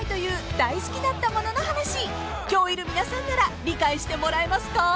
［今日いる皆さんなら理解してもらえますか？］